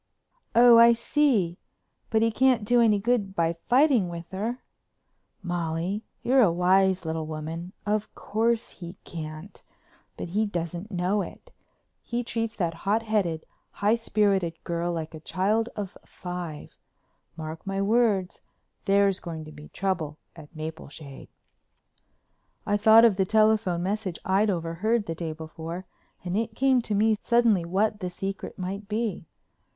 "Oh, I see. But he can't do any good by fighting with her." "Molly, you're a wise little woman. Of course he can't, but he doesn't know it. He treats that hot headed, high spirited girl like a child of five. Mark my words, there's going to be trouble at Mapleshade." I thought of the telephone message I'd overheard the day before and it came to me suddenly what "the secret" might be.